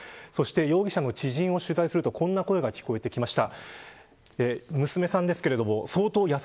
容疑者の知人を取材するとこういった声が聞こえてきました。